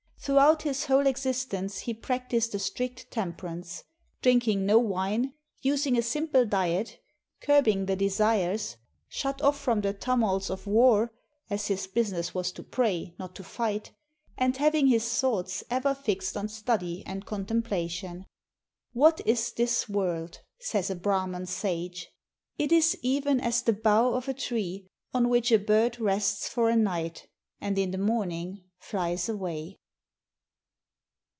Throughout his whole existence he practiced a strict temperance; drinking no wine, using a simple diet, IXDU ciirbing the desires; shut off from the tumults of war, as his business was to pray, not to fight, and having his thoughts ever hxed on study and contemplation. " WTiat is this world? '' says a Brahman sage. " It is even as the bough of a tree, on which a bird rests for a night, and in the morning flies away."